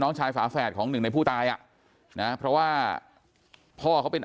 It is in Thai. ชายฝาแฝดของหนึ่งในผู้ตายอ่ะนะเพราะว่าพ่อเขาเป็น